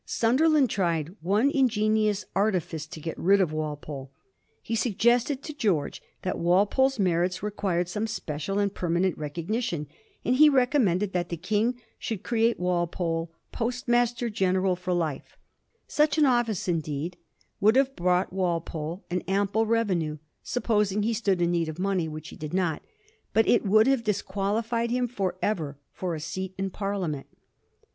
Sunderland tried one ingenious artifice to get rid of Walpole. He suggested to George that Walpole's merits required some special and permanent recognition, and he recommended that the King should create Walpole Postmaster General for life. Such an office, indeed, would Digiti zed by Google 272 A HISTORY OF THE FOUR GEORGES, oh. in, have brought Walpole an ample revenue, supposing he stood in need of money, which he did not, but it would have disqualified him for ever for a seat in Parliament.